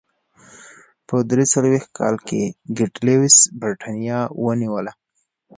په درې څلوېښت کال کې کلاډیوس برېټانیا ونیوله.